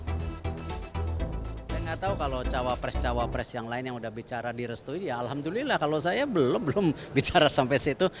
saya nggak tahu kalau cawapres cawapres yang lain yang udah bicara di restu ya alhamdulillah kalau saya belum belum bicara sampai situ